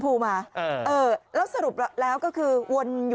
พี่บอกว่าบ้านทุกคนในที่นี่